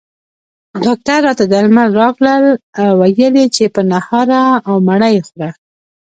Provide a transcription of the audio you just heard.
ډاکټر راته درمل راکړل او ویل یې چې په نهاره او مړه یې خوره